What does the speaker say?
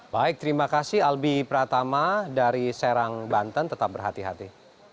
baik terima kasih albi pratama dari serang banten tetap berhati hati